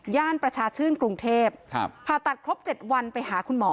ประชาชื่นกรุงเทพผ่าตัดครบ๗วันไปหาคุณหมอ